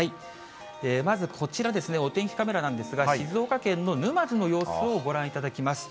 まずこちらですね、お天気カメラなんですが、静岡県の沼津の様子をご覧いただきます。